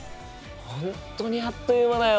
本当にあっという間だよ。